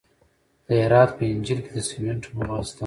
د هرات په انجیل کې د سمنټو مواد شته.